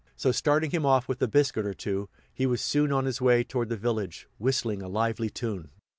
So starting him off with a biscuit or two, he was soon on his way toward the village, whistling a lively tune.